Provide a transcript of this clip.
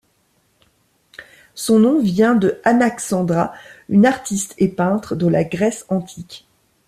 Son nom vient de Anaxandra, une artiste et peintre de la Grèce antique.